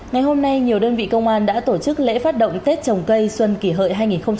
ngày hôm nay nhiều đơn vị công an đã tổ chức lễ phát động tết trồng cây xuân kỷ hợi hai nghìn một mươi chín